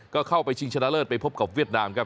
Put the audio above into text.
ก็เข้าไปชิงชนะเลิศไปพบกับเวียดนามครับ